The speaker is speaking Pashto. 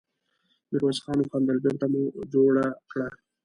ميرويس خان وخندل: بېرته مو جوړه کړه!